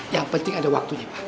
yang penting ada waktunya